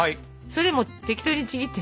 それも適当にちぎって。